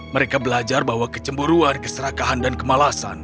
mereka belajar bahwa kecemburuan keserakahan dan kemalasan